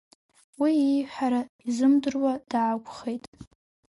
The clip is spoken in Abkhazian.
Уи ииҳәара изымдыруа даақәхеит.